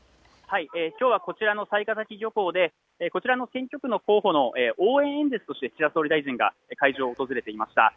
きょうはこちらの雑賀崎漁港でこちらの選挙区の候補の応援演説として岸田総理大臣が会場を訪れていました。